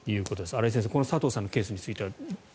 新井先生、このさとうさんのケースについては。